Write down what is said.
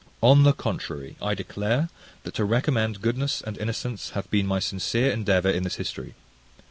On the contrary, I declare, that to recommend goodness and innocence hath been my sincere endeavour in this history.